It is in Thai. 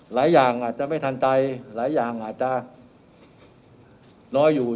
หลายอย่างอาจจะไม่ทันใจหลายอย่างอาจจะน้อยอยู่